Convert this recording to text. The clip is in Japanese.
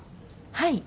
はい。